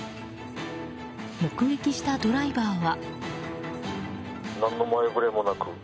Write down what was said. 目撃したドライバーは。